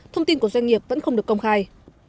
thông tin của doanh nghiệp vẫn không được công khai